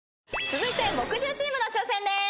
続いて木１０チームの挑戦でーす！